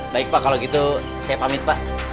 baik pak kalau gitu saya pamit pak